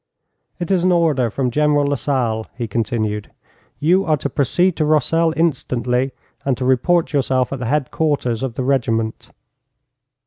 'It is an order from General Lasalle,' he continued; 'you are to proceed to Rossel instantly, and to report yourself at the headquarters of the regiment.'